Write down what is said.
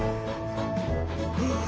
うわ！